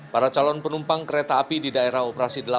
para calon penumpang kereta api di daerah operasi delapan